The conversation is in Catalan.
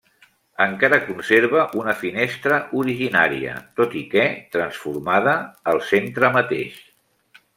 Encara conserva una finestra originària, tot i que transformada, al centre mateix.